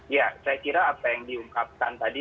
ya saya kira apa yang diungkapkan tadi